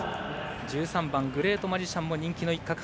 １３番のグレートマジシャンも人気の一角。